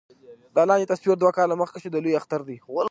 دا لاندې تصوير دوه کاله مخکښې د لوئے اختر دے